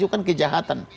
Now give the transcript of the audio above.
itu kan kejahatan